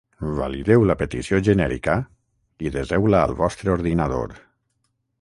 Valideu la petició genèrica i deseu-la al vostre ordinador.